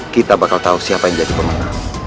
kita bakal tahu siapa yang jadi pemenang